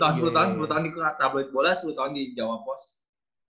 di tabloid bola sepuluh tahun di jawa post